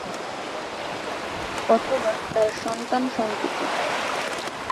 অথবা তার সন্তান-সন্ততি।